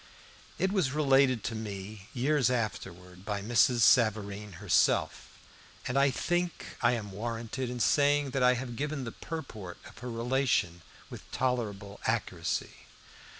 It was related to me years afterwards by Mrs. Savareen herself, and I think I am warranted in saying that I have given the purport of her relation with tolerable accuracy.